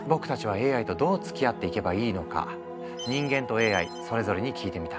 将来僕たちは人間とＡＩそれぞれに聞いてみた。